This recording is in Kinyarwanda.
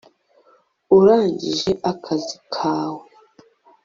urangije akazi kawe